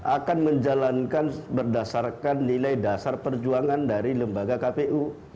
akan menjalankan berdasarkan nilai dasar perjuangan dari lembaga kpu